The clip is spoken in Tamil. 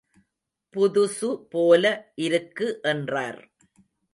புதுசு போல இருக்கு என்றார்.